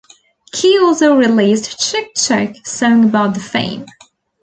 Key also released "Chic Chic", song about the fame.